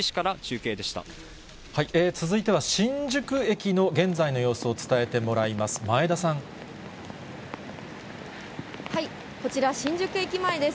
続いては、新宿駅の現在の様子を伝えてもらいます。